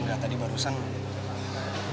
enggak tadi barusan bang jokowi nanya